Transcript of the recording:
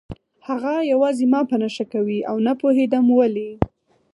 هغه یوازې ما په نښه کوي او نه پوهېدم ولې